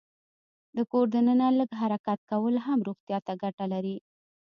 د کور دننه لږ حرکت کول هم روغتیا ته ګټه لري.